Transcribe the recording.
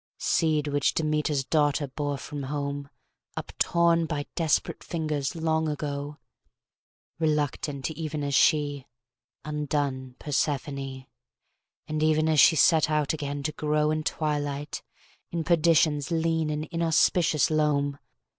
(Seed which Demeter's daughter bore from home, Uptorn by desperate fingers long ago, Reluctant even as she, Undone Persephone, And even as she set out again to grow In twilight, in perdition's lean and inauspicious loam).